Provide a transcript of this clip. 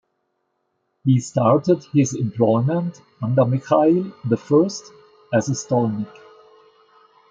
He started his employment under Mikhail the First as a stolnik.